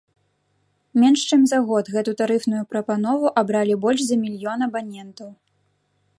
Менш чым за год гэту тарыфную прапанову абралі больш за мільён абанентаў.